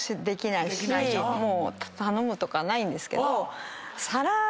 もう頼むとかないんですけど。